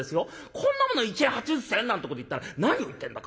『こんなもの１円８０銭？』なんてこと言ったら『何を言ってんだ。